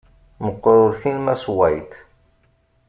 Meqqer urti n mass White.